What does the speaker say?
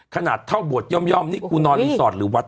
ขนาดเท่าบวชย่อมนี่กูนอนรีสอร์ทหรือวัด